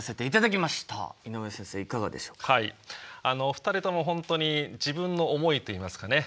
お二人とも本当に自分の思いといいますかね